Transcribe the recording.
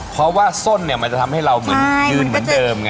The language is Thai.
เพราะว่าส้นเนี่ยมันจะทำให้เราเหมือนยืนเหมือนเดิมไง